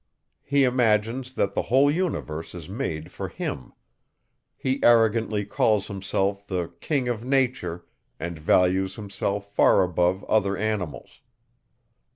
He imagines, that the whole universe is made for him; he arrogantly calls himself the king of nature, and values himself far above other animals.